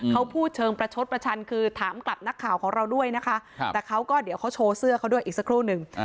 เขาพูดเชิงประชดประชันคือถามกลับนักข่าวของเราด้วยนะคะแต่เขาก็เดี๋ยวเขาโชว์เสื้อเขาด้วยอีกสักครู่หนึ่ง